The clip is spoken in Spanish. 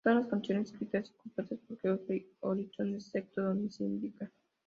Todas las canciones escritas y compuestas por George Harrison excepto donde se indica.